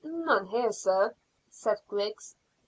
"None here, sir," said Griggs.